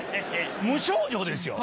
無症状ですよ。